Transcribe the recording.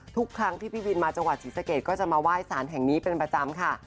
ทุกครั้งที่พี่บินมาจังหวัดศรีสะเกดก็จะมาไหว้สารแห่งนี้เป็นประจำค่ะ